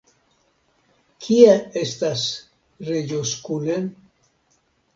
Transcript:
Kie estas reĝo Skule?